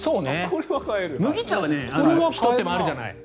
麦茶はひと手間あるじゃない。